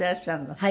はい。